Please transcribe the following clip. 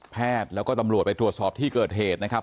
แพทย์แล้วก็ตำรวจไปตรวจสอบที่เกิดเหตุนะครับ